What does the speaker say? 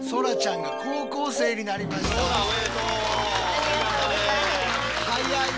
ありがとうございます。